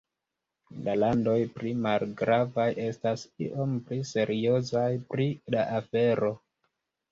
La landoj pli malgravaj estas iom pli seriozaj pri la afero.